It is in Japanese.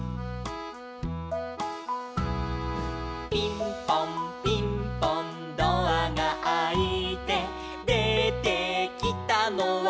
「ピンポンピンポンドアがあいて」「出てきたのは」